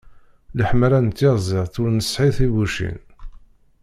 Leḥmala n tyaziḍt ur nesɛi tibbucin.